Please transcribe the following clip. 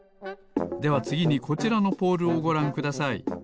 ではつぎにこちらのポールをごらんください。